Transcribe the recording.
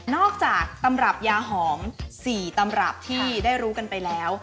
นอกจากยาหอมทั้ง๔ที่ได้รู้กันไปแล้ว